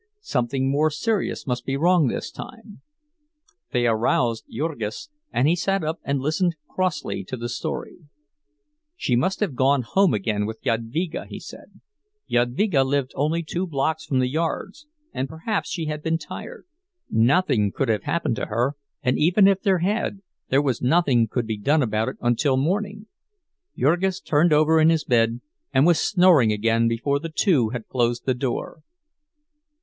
Something more serious must be wrong this time. They aroused Jurgis, and he sat up and listened crossly to the story. She must have gone home again with Jadvyga, he said; Jadvyga lived only two blocks from the yards, and perhaps she had been tired. Nothing could have happened to her—and even if there had, there was nothing could be done about it until morning. Jurgis turned over in his bed, and was snoring again before the two had closed the door.